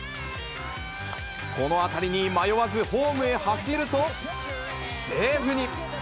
この当たりに迷わずホームへ走ると、セーフに。